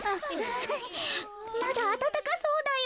まだあたたかそうだよ。